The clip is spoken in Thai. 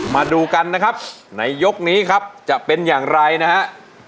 มาดูกันนะครับในยกนี้ครับจะเป็นอย่างไรนะฮะ